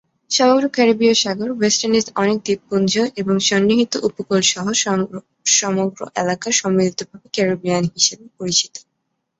সমগ্র ক্যারিবীয় সাগর, ওয়েস্ট ইন্ডিজ অনেক দ্বীপপুঞ্জ এবং সন্নিহিত উপকূল সহ সমগ্র এলাকা সম্মিলিতভাবে ক্যারিবিয়ান হিসাবে পরিচিত।